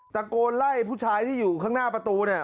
ตะโกนไล่ผู้ชายที่อยู่ข้างหน้าประตูเนี่ย